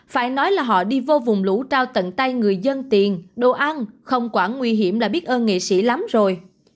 phải nói là họ đi vô vùng lũ trao tận tay người dân tiền đồ ăn không quản nguy hiểm là biết ơn nghệ sĩ lắm rồi